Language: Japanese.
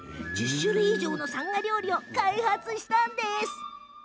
１０種類以上のさんが料理を開発したのです。